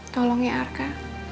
tolong ya arka